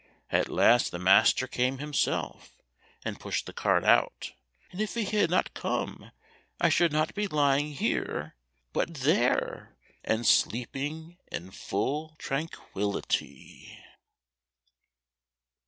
At last the master came himself, and pushed the cart out, and if he had not come I should not be lying here but there, and sleeping in full tranquillity."